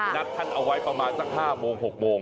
นัดท่านเอาไว้ประมาณสัก๕โมง๖โมง